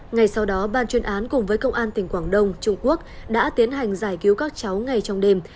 ngay sau đó ban chuyên án cùng với công an tỉnh quảng đông trung quốc đã tiến hành giải cứu các cháu ngay trong đêm